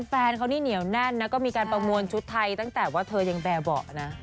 แฟนเขานี่เหนียวแน่นนะก็มีการประมวลชุดไทยตั้งแต่ว่าเธอยังแบบเบาะนะ